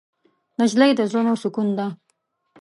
نجلۍ د زړونو سکون ده.